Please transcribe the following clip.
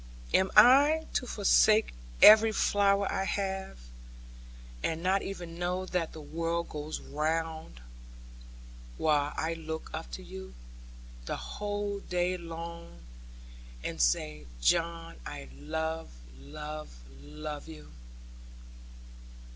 Am I to forsake every flower I have, and not even know that the world goes round, while I look up at you, the whole day long and say, "John, I love, love, love you?"'